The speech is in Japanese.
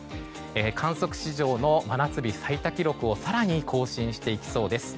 観測史上の真夏日最多記録を更に更新していきそうです。